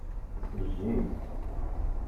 Jji.